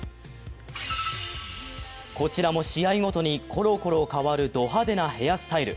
こちらも試合ごとにコロコロ変わるド派手なヘアスタイル。